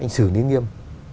hình xử nếu nghiêm